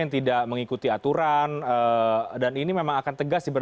yang menggunakan masker